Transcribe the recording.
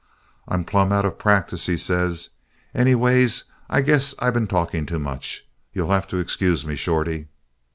"'I'm plumb out of practice,' he says. 'Anyways, I guess I been talking too much. You'll have to excuse me, Shorty!'